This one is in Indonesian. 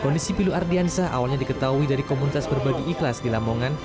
kondisi pilu ardiansah awalnya diketahui dari komunitas berbagi ikhlas di lamongan